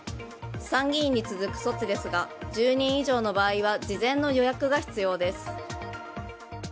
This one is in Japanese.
参議院に続く措置ですが１０人以上の場合は事前の予約が必要です。